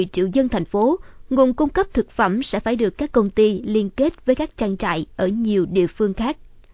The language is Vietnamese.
trong thành phố nguồn cung cấp thực phẩm sẽ phải được các công ty liên kết với các trang trại ở nhiều địa phương khác